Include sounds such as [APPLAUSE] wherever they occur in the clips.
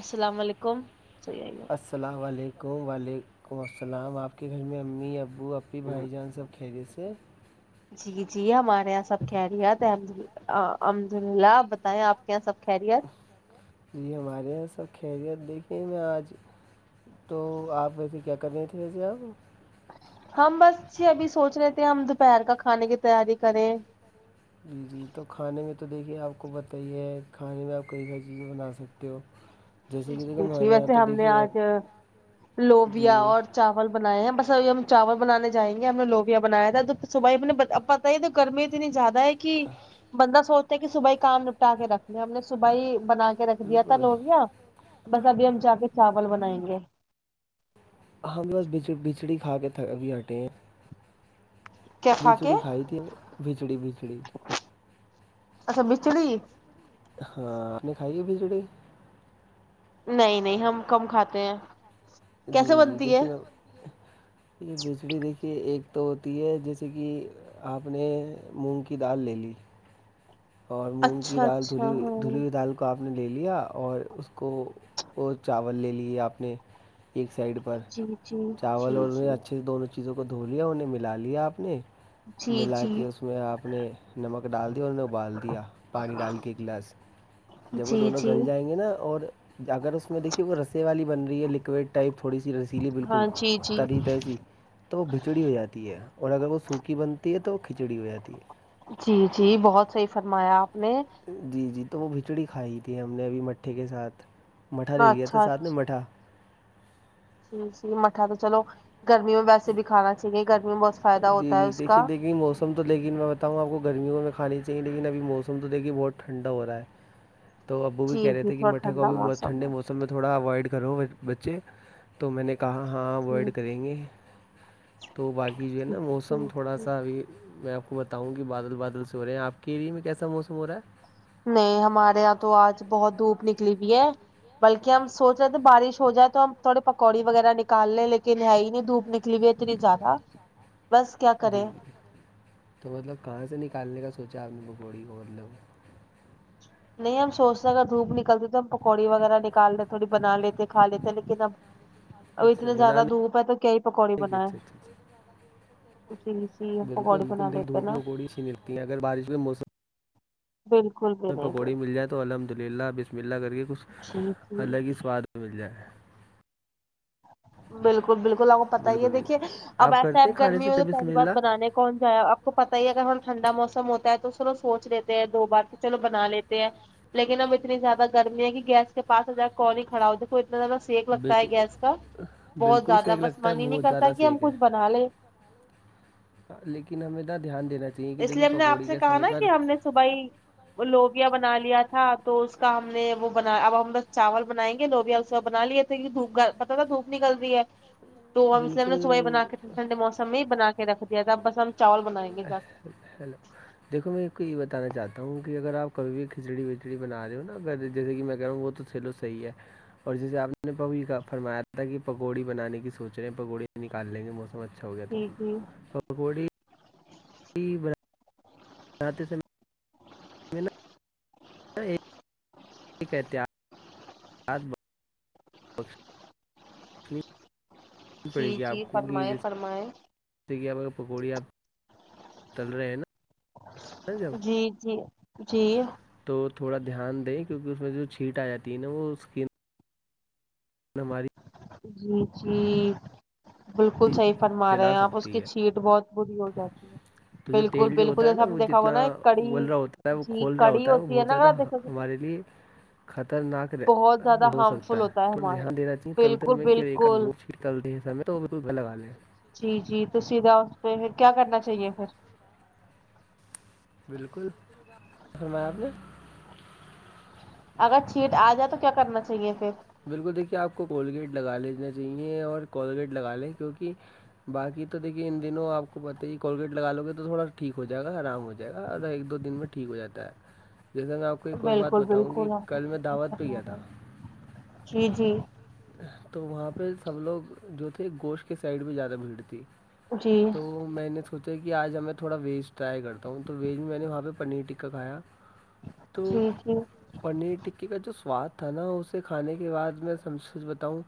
السلام علیکم صی السلام علیکم وعلیکم السلام آپ کے گھر میں امی ابو پھر بھائی جان سب کھیلے سے جی جی ہمارے یہاں سب کہہ رہی ہے احمد الحمد للہ آپ بتائیں آپ کیا یہاں سب خیریت جی ہمارے یہاں سب خیریت دیکھیے میں آج تو آپ ویسے کیا کرنے تھے ویزے آب ہم بس یہ ابھی سوچ رہے تھے ہم دوپہر کا کھانے کی تیاری کریں جی جی تو کھانے میں تو دیکھیے آپ کو پت ہی ہے کھانے میں آپ کہئی س چیزیں بنا سکتے ہو ہ [INAUDIBLE] ا ویسے ہم نے آج لوبیا جی اور چاول بنائے ہیں بس اب ہم چاول بنانے جائیں گے ہم نے لوبیا بنایا تھا تو صبح ہی ہم نے پت ہی ہے تو گرمی اتنی زیادہ کہ بندہ سوچتا ہے کہ صبح کام نپٹا کے رکھنا ہم نے صبح ہی بنا کے رکھ دیا تھا بالکل لوبیا بس ابھی ہم جا کے چاول بنائیں گے ہم بسچ بچڑی کھا کے بھی ہٹے ہیں کیا کھا کے بھچڑی کھائی تھی بھچڑی بھچڑی اچھا بچھڑ ہاں نے کھائی ہے بھی جڑی نہیں نہیں ہم کم کھاتے ہیں جی کیسے جی بنتی ہے دیکھیے گا یہ بجلی دیکھیے ایک تو ہوتی ہے جیسے کہ آپ نے مونگ کی دال لے لی اور مونگ کی اچھا دال اچھا دھلیئی دھلی ہاں ہوئی دال کو آپ نے لے لیا اور اس کو وہ چاول لے لیے آپ نے ایک سائڈ پر جی جی جی چاول اور جی انہیں اچھے سے دونوں چیزوں کو دھو لیا انہیں ملا لیا آپ نے جی ملا کے جی اس میں آپ نے نمک ڈال دییا ان د پانی ڈال گ جب جی دوں جی گل جائیں گے نا اور اگر اسس میں دیکھیے وہ رسیں والی بن رہی ہے لکوڈ ٹائپ تھوڑی سی رسیلی بالکل ہاں جی جی تریق ایسی تو وہ بھچڑی ہو جاتی ہے اور اگر وہ سوکھی بنتی ہے تو وہ کھچڑی ہو جاتی ہے جی جی بہت صحیح فرمایا آپ نے جی جی تو وہ بھچڑی کھائی تھی ہم نے ابھی مٹھے کے ساتھ مٹا لے لیا تھا اچھا ساتھ اچھا میں مٹھا جی جی مٹھا تو چلو گرمی میں ویسے بھی کھانا چاہیے گرمی میں بہت فائدہ ہوتا ہے اس کا موم تو دیکن میں بتاؤں آپ کو گرمیوں میں کھانی چاہی لیکنبھی موس تو دیکھ بہ ٹھنڈا ہو رہا ہے تو ابو بھی جی کہہ رہ جی تھے کہ تھوڑا مٹا کو ٹھنڈا بھیھی بہتٹھنڈے ہے موسم سب میں تھوڑا اوائڈ کرو بچے تو میں نے کہا ہاں جی اوائڈ کریں گے تو باقی جو ہے نا جی موسم تھوڑا جی سا ابھی میں آپ بتاؤں گ کہ بادل بادل سے ہو رہے ہیں آپ کیری میں کیسا موسم ہو رہا ہے نہیں ہمارے یہاں تو آج بہت دھوپ نکلی بھیئی ہے بلکہ ہم سوچ رہے تھے بارش ہو جائے تو ہم تھوڑے پکوڑی وغیرہ نکال لے لیکن ہے ہی نہیں دوپ ن کو تری زدا جی جی تو مطلب کہاں سے نکالنے کا سوچا آپ نے پکوڑی کو مطلب نہیں ہم سوچتے ہیں اگر دھوپ نکلتی تو ہم پکوڑی وغیرہ نکال رہ تھوڑی بنا لیتے کھا لیتے ہیں لیکن ہمب ہ ا اتنے زیادہ دھوپ ہے تو کیا ہی پکوڑی کی بنائے اچھا اچھا اچھا اسی لیچی بالکل پکوڑی بنا بالکل دیکھ لیتے دھوپ نا میں پکوڑی اچھی نہیں لگتی ہیں اگر بارش کے موسم بالکل بھی نہیں تھڑی مل جائے تو الحمد للہ بسم اللہ کر کے کچھ جی جی الگ ہی سواد مل جائے بالکل بالکل آپ کو پت ہی بالکل ہے دیکھیے بالکل اب آپ ایسا کرتے اب ہیں کھانے گرمی میں سے تو بسم پہلی بار اللہ بنانے کا کون جائے آپ کو پتتا ہی ہے اگر ہم ٹھنڈا موسم ہوتا ہے تو چلو سوچ لیتے ہیں دو بار تو چلو بنا لیتے ہیں لیکن اب اتنی زیادہ گرمی ہے کہ گیس کے پس ا کوال ہی کھا ہو دیکھ کو اتنا زیادہ سیک لگتا بالکل ہے گیس کا بہت بالکل زیادہ سیک بس لگتا ہے من ہی نہیں بہت کرتا زیادہ کہ ہم سیک ہے کچھ بنا لیں لیکن ہمیں د دھیان دینا چاہیے کہ دیکھیے پکوڑی کے سمے پر صبائی لوبیا بنا لیا تھا تو اس کا ہم نے وہ بنا اب ہم بس چاول بنائیں گے لوبیا اس کا بنا لیا کی دھوپ پتاہ تھا دھوپ نکلتی ہے ج تو ا اس لیے ہم نے سوائی بنا کے ٹ ٹھڈے موسم میں ہی بنا کے رکھ دیا تھا بس ہم چاول بنائیں گے جا کے ہیلو دیکو میں ایک کو یہ بتانا چاہتا ہوں کہ اگر آپ کبھی بھی کھچڑی وچڑی بنا رہے ہو نا اگر جیسے کہ میں کہ رہا ہوں وہ تو چلو صحی ہے اور جسے آپ نےی فرمایا تھا کہ پکوڑی بنانے کی سوچ رہے ہیں پکوڑی نکال لیں گے موسم اچھا ہو گیا جی جی تو پکوڑی بناتے سے میں احتط پڑے جی گی آپ جی کو کہ ج فرمائیں فرمائیں جیسے کہ آپ پکوڑی آپ تل رہے ہیں نا جب جی جی جی تو تھوڑا دھیان دیں کیونکہ اس میں جو چھیٹ آ جاتی ہے نا وہ اسکن ہم ہماری جی جی بالکل صحیح فرما رہے جلا ہیں آپ اس سکتی کی ہے چیٹ بہت بری ہو جاتی ہے تو جو بالکل تیل جو بالکل ہوتا ہے نا جیسا ہم نے وہ دیکھا ہوگا جتنا نا ایک ول کڑی رہا ہوتا ہے وہ جی کھول رہا کڑی ہوتا ہے وہ ہوتی بہت زیادہ نا ہ دیکھا ہمارے لیے خطرناک بہت رہ زیادہ ہو ہارمفل سکتا ہے ہوتا تھوڑا ہمارے دھیان لیے۔ دینا چاہے بالکل چلتے کہ بالکل وہ فٹ چلتے ہیں سے تو بالکل لگا لیں جی جی تو سیدھا اس پہ پھر کیا کرنا چاہیے پھر بالکل فرمایاپ نے اگر چھیٹ آ جائے تو کیا کرنا چاہیے پھر بالکل دیکھیے آپ کو کولگیٹ لگا لینا چاہیے اور کولگیٹ لگا لیں کیونکہ باقی تو دیکے ان دنوں آپ کو پتہ ہی کہ کولگیٹ لگا لوے تو تھوڑا ٹھیک ہو جائے گا آرام ہو جائے گا اور ایک دو دن میں ٹھیک ہو جاتا ہے جیسا میں آپ کو ایک اور بات بالکل بتاؤں گی بالکل آپ کل میں کو دعوت پہ کرنا کیایا تھا ہے۔ جی جی تو وہاں پہ سب لوگ جو تھے گوشت کے سائڈ پہ زیادہ بھیڑ تھی جی تو میں نے سوچا کہ آج ہم میں تھوڑا ویج ٹرائی کرتا ہوں تو ویج میں نے وہاں پہ پنیر ٹکا کھیا تو جی جی پنیر ٹکی کا جو سواد تھا نا اسے کھانے یہ آج میں سم کچھ بتاؤں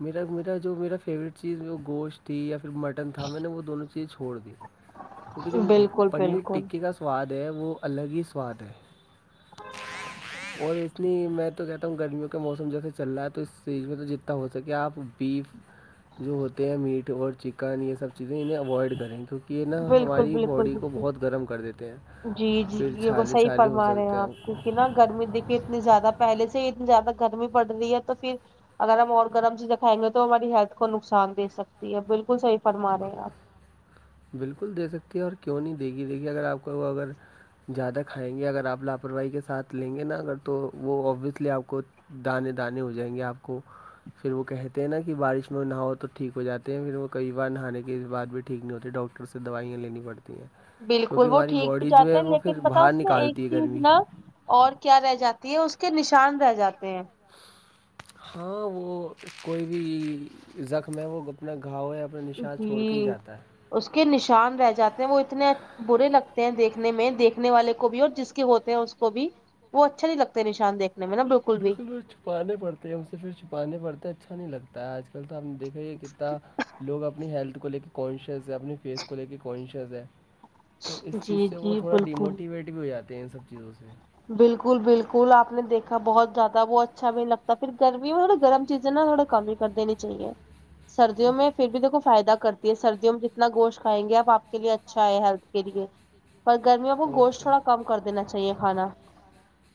میرا میرا جو میرا فیوریٹ چیز وہ گوشت تھی یا پھر مٹن تھا میں نے وہ دونوں چیزیں چھوڑ دی کیونکہ ج بالکل پنیر بالکل ٹکے کا سواد ہے وہ الگ ہی سواد ہے اور اتنی میں تو کہتا ہوں گرمیوں کے موسم سمجھے سے چل رہا ہے تو اس اسٹیج میں تو جتنا ہو سکے آپ بیف جو ہوتے ہیں میٹ اور چکن یہ سب چیزیں انہیں اوائڈ کریں کیونکہ کہ یہ نا بالکل ہماری بالکل باڈی کو بالکل بہت گرم کر دیتے ہیں جی جی پھر یہ وہ چھالے صحیح چھالے ہو فرما رہے ہیں سکتے آپ ہم کیک کو نا گرمی دیکھیے اتنی زیادہ پہلے سے اتنی زیادہ گرمی پڑ رہی ہے تو پھر اگر ہم اور گرم چیزیں کھائیں گے تو ہماری ہیلتھ کو نقصان دے سکتی ہے بالکل صحیح فرماے ہیں آپ بالکل دے سکتی ہے اور کیوں نہیں دے گی دیک گی اگر آپ کو وہ اگر زیادہ کھائیں گے اگر آپ لاپرواہی کے ساتھ لیں گے نا اگر تو وہ اوبویسلی آپ کو دانے دانے ہو جائیں گے آپ کو پھر وہ کہتے ہیں نا کہ بارش میں نہ ہو تو ٹھیک ہو جاتے ہیں پھر وہ کئی نہانے کی بات بھی ٹھیک نہیں ہوتی ڈاکٹر سے دوائیاں لینی پڑتی ہیں بالکل کیونکہ وہ ہماری ٹھیک بھی باڈی جو جاتے ہے ہیں وہ لیکن پھر بتاؤ باہر اس میں ایک نکالتی ہے چیز گرمی نا اور کیا رہ جاتی ہے اس کے نشان رہ جاتے ہیں ہاں وہ کوئی بھی زخم ہے وہ اپنا گھاؤ ہے اپ جی اس کے نشان رہ جاتے ہیں وہ اتنے برے لگتے ہیں دیکھنے میں دیکھنے والے کو بھی اور جس کے ہوتے ہیں اس کو بھی وہ اچھا نہیں لگتاتے نشان دیکنے میں ن بالکل چھپانے پڑتے ہیں ان سے پھر چھپانے پڑتے ہیں اچھا نہیں لگتا ہے آج کل تو آ نے دیکھا یہ کتنا لوگ اپنی ہیلتھ کو لے کے کانشیئس ہے اپنی فیس کو لے کے کانشیئس ہے تو اس چیز جی سے وہ جی تھوڑا بالکل ڈیموٹیویٹ بھی ہو جاتے ہیں ان سب چیزوں سے بالکل بالکل آپ نے دیکھا بہت زیادہ وہ اچھا بھی لگتا پھر گرمی میں نا گرم چیزیں نا تھوڑا کم ہی کر دینی چاہیے سردیوں میں پھر بھی دیکھو فائدہ کر یہ سردیوں میں جتنا گوشت کھیں گے آپ آپ کے لیے اچھا ہے ہیلتھ کے لیے پر گرمیوں کو اور گوشت کیا تھوڑا کم کر دینا چاہیے کھانا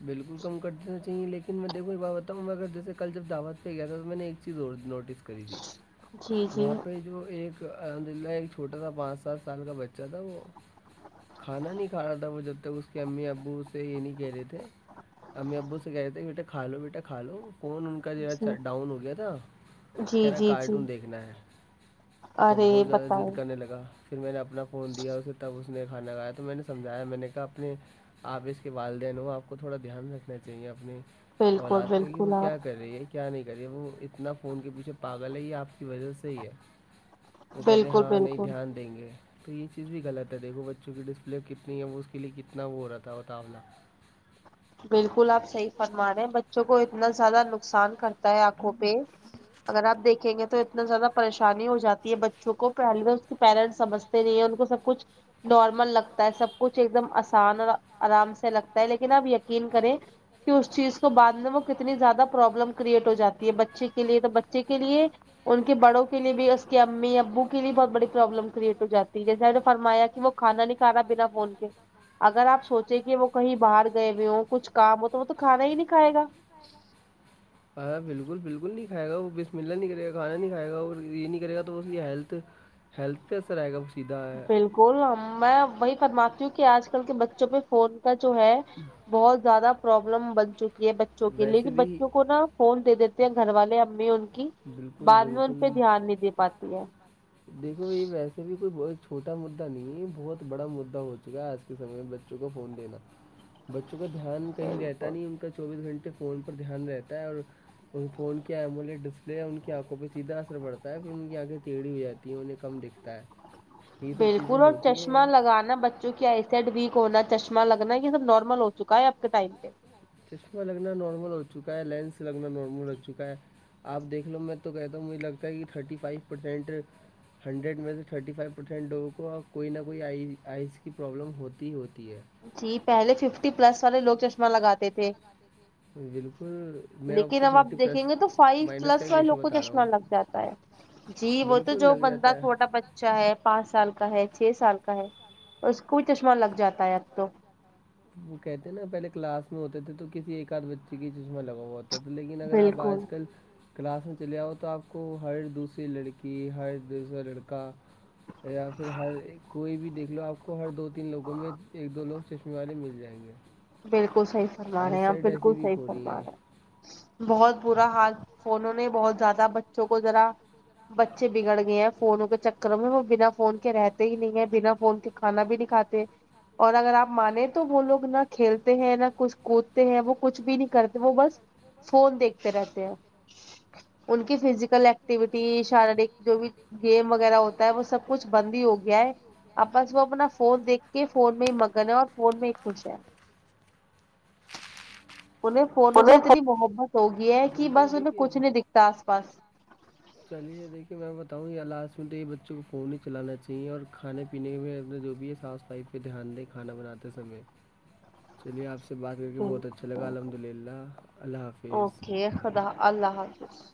بالکل کم کرتےنا چاہیے لیکن میں دیکھ بتاؤوں میں اگر جیسے کل ج دعو پہ گیا تو میں نے ایک چیز اور نوٹس کری تھی جی جی وہاں پہ جو ایک تو الحمد للہ ایک چھوٹا تھا پانچ سات سال کا بچہ تھا وہ کھانا نہیں ک رہا تھا وہ جب تک اس کے امی ابو اسے یہ نہیں کہہ رہے تھے امی ابو سے کہتے ہیں بیٹا کا لو بیٹا کھ لو فون ان کا جوا جی ڈاؤن ہو گیا تھا جی کہہا جی جی کارٹون دیکھنا ہے تو ارے بہت زیادہ بتائیں ضد کرنے لگا پھر میں نے اپنا فون دیا اسے تب اس نے کھانا کھایا تو میں نے سمجھایا میں نے کہا اپنے آپ اس کے والدین ہو آپ کو تھوڑا دھیان رکھنا چاہیے اپنی بالکل اولاد کا کہ وہ بالکل کیا آپ کر رہی ہے کیا نہیں کر رہی ہے وہ اتنا فون کے پیچھے پاگل ہے آپ کی وجہ صحی ہے وہ کہہتے ہیں بالکل ہاں نہیں بالکل دھیان دیں گے تو یہ چیز بھیغط ہے دیکھو بچوں کی ڈسپ مطلب کتنی ہے وہ اس کے لیے کتنا وہ ہو رہا تھا بتاؤنا بالکل آپ صحیح فرما رہے ہیں بچوں کو اتنا زیادہ نقصان کرتا ہے آنکھوں پہ اگر آپ دیکھیں گے تو اتنا زیادہ پریشانی ہو جاتی ہے بچوں کو پہلی بار اس کے پیرنٹس سجتے نہیں ہیں ان کو سب کچھ نارمل لگتا ہے سب کچھ ایک دم آسان اور آرام سے لگتا ہے لیکن اب یہ یقین کرے کہ اس چیز کو تو بعد میں وہ کتنی زیادہ پروابلم کریئٹ ہو جاتی ہے بچے کے لیے تو بچے کے لیے ان کے بڑوں کے لیے بھی اس کے امی ابو کےے بہت بڑی پرابلم کریٹ ہو جاتی ہے جیسے ہم نے فرمایا کہ وہ کھانا نہیں کھانا بنا فون کے اگر آپ سوچے کہ وہ کہیں باہر گئے ہ کچھ کام ہو تو وہ تو کھانا ہی نہیں کھائے گا ہاں بالکل بالکل نہیں کھائے گا وہ بسم اللہ نہیں کرے گاھانا نہیں کھائے گا اور یہ نہیں کرے گا تو اس کی ہیلتھ ہیلتھ ای سر آئے گا وہ سیدھا ہے گول میں وہی فرماتی ہوں کہ آج کل کے بچوں پہ فون کا جو ہے [UNINTELLIGIBLE] بہت زیادہ پروابلم بن چکی یہ بچوں کے لیکن بچوں کو نا فون دے دیتے ہیں گھر والے امی ان کی بعد میں ان پہ دھیان نہیں دے پاتی ہے دیکھو یہ ویسے بھی کوئی ب چھوٹا مدا نہیں ہے یہ بہت بڑا مدا ہو چکا آج کل سم میں بچوں کو فون دینا بچوں کو دھیان کہیں رہتا بالکل نہیں ان کا چوبیس گھنٹے فون پر دھیان رہتا ہے اور ان فون کے ایمولے ڈسپلے ہے ان کی آنکھوں پ سیدھا اثر پڑتا ہے پھر ان کی آنکھیں ڑی ہو جاتی تی انہیں کم دکھتا ہے یہ سب چیزیں بالکل اور ہوتی ہیں چشمہ لگانا چشمہ بچ جو کہ لگانا مطلب ایسڈ کیا ویک ہوتا ہونا ہے ٹھیک چشمہ ہونا لگنا یہ سب نارمل ہو چکا ہے آپ کے ٹائم پہ چشمہ لگنا نارمل ہو چکا ہے لینس لگنا نارمل ہو چکا ہے آپ دیکھ لو میں تو کہتا ہوں مجھے لگتا ہے کہ تھرٹی فائیو پرسینٹ ہنڈریڈ میں سے تھرٹی فائیو پرسینٹ لوگوں کو کوئی نہ کوئی آئی آئز کی پرابلم ہوتی ہی ہوتی ہے جی پہلے ففٹی پلس والے لوگ چشمہ لگاتے تھے بالکل میں لیکن کو اب آپ ففٹی دیکھیں گے تو پلس فائیو مائنس کا پلس ہی والوں ریشو کو بتا رہا ہوں چشمہ لگ جاتا ہے جی وہ تو بالکل جو لگ بندہ جاتا ہے چھوٹا بچ اچھا ہے پانچ سال کا ہے چھ سال کا ہے اس کو بھی چشمہ لگ جاتا ہے تو وہ کہتے ہیں نا پہلے کلاس میں ہوتے تھے تو کسی ایک آدھ بچے کی چشمہ لگا ہوا تھا تھا لیکن اگر آپ بالکل آج کل کلاس میں چلے آؤ تو آپ کو ہر دوسری لڑکی ہر دوسرا لڑکا یا پھر ہر کوئی بھی دیکھ لو آپ کو ہر دو تین لوگوں میں ایک دو لوگ چشمی والے مل جائیں گے بالکل صحی فرما آئی رہے ہیں آپ سائڈ ایسی بالکل بھی صحی ہو رہی فرمان ہیں رہے بہت برا حال فونوں نے بہت زیادہ بچوں کو ذرا بچے بگڑ گئے ہیں فونوں کے چکر میں وہ بنا فون کے رہتے ہی نہیں ہے بنا فون کے کھانا بھی نہیں کاتے اور اگر آپ مان تو وہ لوگ نہ کھیلتے ہیں نہ کچھ کودتے ہیں وہ کچھ بھی نہیں کرتے وہ بس فون دیکھتے رہتے ہیں ان کی فزیکل ایکٹیویٹی شاریرک جو بھی گیم وغیرہ ہوتا ہے وہ سب کچھ بند ہی ہو گیا ہے آپس وہ اپنا فون دیک کے فون میں ہی مگن ہے اور فون میں ہی خوش ہے انہیں فونوں سے اتنی محبت ہو گی ہے کہ بالکل بس انہیں کچھ دیکھیے نہیں دکھتا آس پاس چلیے دیکھیے میں بتاؤں یا لاسٹ میں تو یہ بچوں کو فون ہی چلانا چاہیے اور کھانے پینے میں اپنا جو بھی ہے سا پائی پہ دھیان دیں کھانا بناتے سمے چلیے آپ سے بات کر کے بہت بالکل اچھا لگا الحمد للہ اللہ حافظ د خدا اللہ حاظ [UNINTELLIGIBLE]